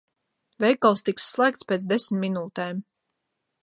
Veikals tiks slēgts pēc desmit minūtēm.